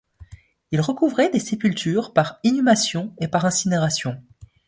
Ils recouvraient des sépultures par inhumation et par incinération.